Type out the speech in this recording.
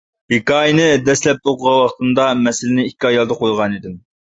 ھېكايىنى دەسلەپتە ئوقۇغان ۋاقتىمدا مەسىلىنى ئىككى ئايالدا قويغانىدىم.